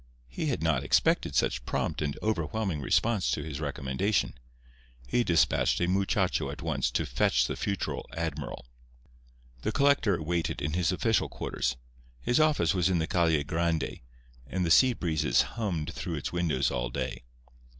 He had not expected such prompt and overwhelming response to his recommendation. He despatched a muchacho at once to fetch the future admiral. The collector waited in his official quarters. His office was in the Calle Grande, and the sea breezes hummed through its windows all day.